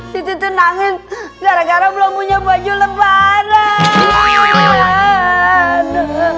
situ tenangin gara gara belum punya baju lebaran